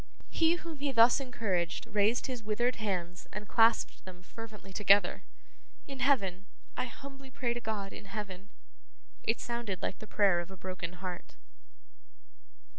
He whom he thus encouraged, raised his withered hands and clasped them fervently together. 'In heaven. I humbly pray to God in heaven.' It sounded like the prayer of a broken heart.